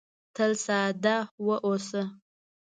تل ساده واوسه .